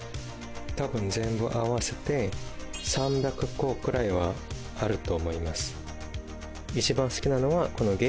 多分全部合わせて３００個くらいはあると思います